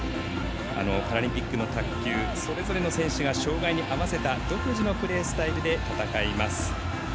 パラリンピックの卓球それぞれの選手が障がいに合わせた独自のプレースタイルで戦います。